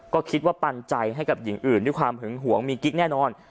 ก็คิดว่าปันใจให้กับหญิงอื่นด้วยความหึงหวงมีกิ๊กแน่นอน